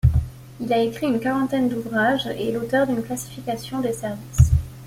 Il a écrit une quarantaine d'ouvrages et est l'auteur d'une classification des services.